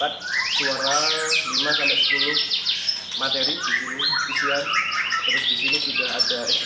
terus dia mendapat suara lima hingga sepuluh materi di sini fisiat